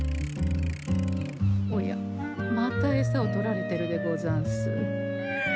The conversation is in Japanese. おやまたエサを取られてるでござんす。